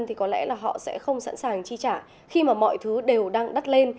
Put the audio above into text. thì có lẽ là họ sẽ không sẵn sàng chi trả khi mà mọi thứ đều đang đắt lên